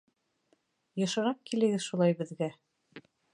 — Йышыраҡ килегеҙ шулай беҙгә...